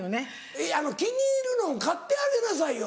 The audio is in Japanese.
いや気に入るのを買ってあげなさいよ